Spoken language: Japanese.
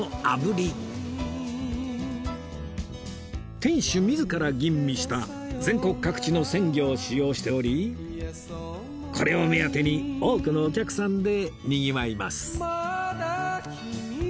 店主自ら吟味した全国各地の鮮魚を使用しておりこれを目当てに多くのお客さんでにぎわいます